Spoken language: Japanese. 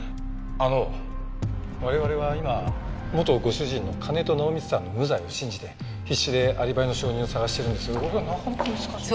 あの我々は今元ご主人の金戸直実さんの無罪を信じて必死でアリバイの証人を探しているんですがこれがなかなか。